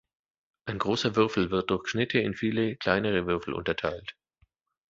Ein großer Würfel wird durch Schnitte in viele kleinere Würfel unterteilt.